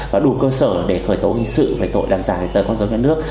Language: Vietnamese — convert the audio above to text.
và đủ cơ sở để khởi tố hình sự về tội làm giả giấy tờ con dấu nhà nước